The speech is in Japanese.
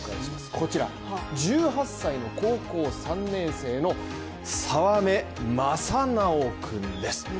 こちら、１８歳の高校３年生の沢目真直君です。